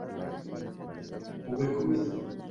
hube comido